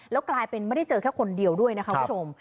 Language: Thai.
แล้วกลายเป็นไม่ได้เจอแค่คนเดียวด้วยนะคะคุณผู้ชม